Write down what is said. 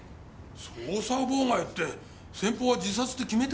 捜査妨害って先方は自殺って決めてかかってんですよ。